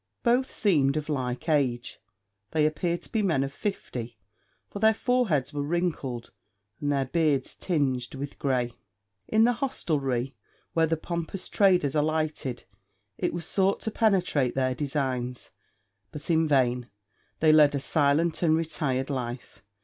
Both seemed of like age; they appeared to be men of fifty, for their foreheads were wrinkled and their beards tinged with grey. In the hostelry where the pompous traders alighted it was sought to penetrate their designs; but in vain they led a silent and retired life.